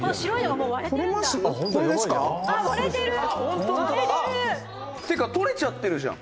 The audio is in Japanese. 二階堂：「っていうか取れちゃってるじゃん」